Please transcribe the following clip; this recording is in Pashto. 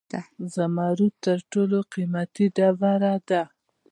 زمرد تر ټولو قیمتي ډبره ده